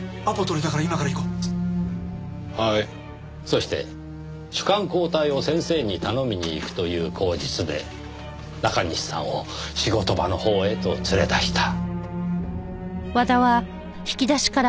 そして主幹交代を先生に頼みに行くという口実で中西さんを仕事場のほうへと連れ出した。